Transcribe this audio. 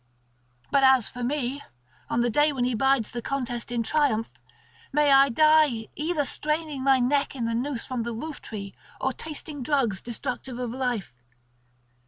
But as for me, on the day when he bides the contest in triumph, may I die either straining my neck in the noose from the roof tree or tasting drugs destructive of life.